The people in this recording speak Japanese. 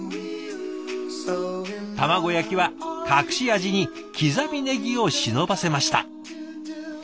卵焼きは隠し味に刻みねぎを忍ばせました。